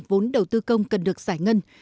vốn đầu tư công cần được giải ngân